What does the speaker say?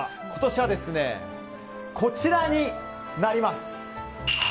今年は、こちらになります。